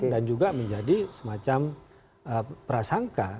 dan juga menjadi semacam prasangka